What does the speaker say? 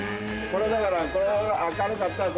これだから明るかったら。